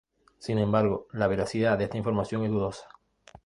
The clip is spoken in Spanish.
Sin embargo, la veracidad de esta información es dudosa.